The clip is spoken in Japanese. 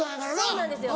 そうなんですよ。